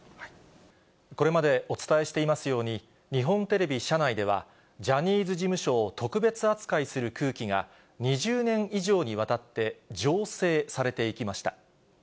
これまでお伝えしていますように、日本テレビ社内では、ジャニーズ事務所を特別扱いする空気が、２０年以上にわたって醸成されていきました。